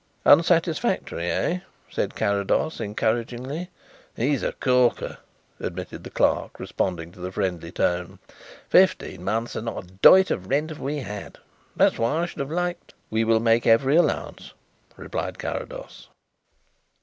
"Unsatisfactory, eh?" said Carrados encouragingly. "He's a corker," admitted the clerk, responding to the friendly tone. "Fifteen months and not a doit of rent have we had. That's why I should have liked " "We will make every allowance," replied Carrados.